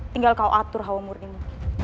tinggal kau atur hawa murnimu